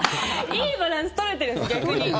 いいバランス取れてるんです、逆に。